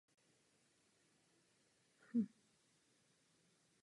Tvoří ho pouze západní část města Le Mans.